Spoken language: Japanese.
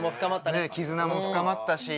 ねえ絆も深まったし。